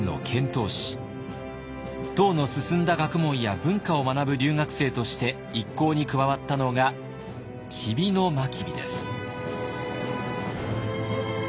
唐の進んだ学問や文化を学ぶ留学生として一行に加わったのが吉備真備です。